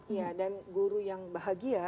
iya dan guru yang bahagia